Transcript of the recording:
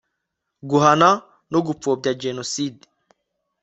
guhakana no gupfobya jenoside